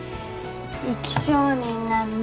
生き証人なんで。